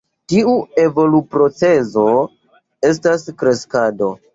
Tiu evoluprocezo estas kreskado.